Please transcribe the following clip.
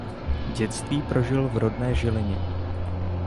Dětství prožil v rodné Žilině.